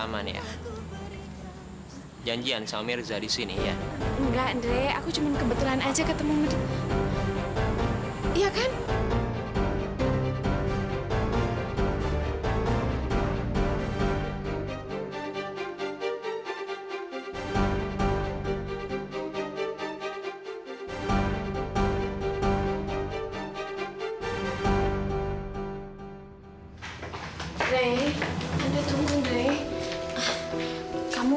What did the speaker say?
mai kamu mau gak nikah sama aku